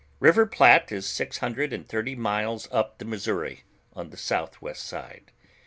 River Phttte is six hundred and thirty miles up the Missouri; oil the south west side.